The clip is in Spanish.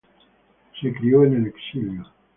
Se crio en el exilio.